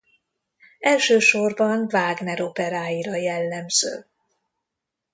Elsősorban Wagner operáira jellemző.